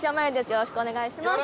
よろしくお願いします。